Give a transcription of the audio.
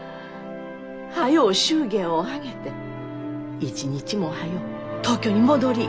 早う祝言を挙げて一日も早う東京に戻りい。